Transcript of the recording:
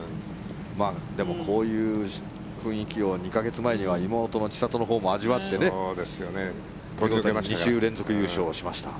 でも、こういう雰囲気を２か月前には妹の千怜のほうも味わってね２週連続優勝しました。